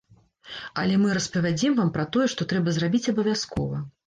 Але мы распавядзем вам пра тое, што трэба зрабіць абавязкова.